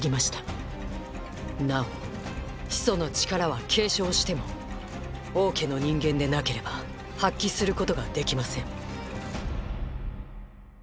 なお始祖の力は継承しても王家の人間でなければ発揮することができません